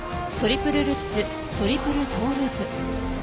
トリプルルッツトリプルトゥループ。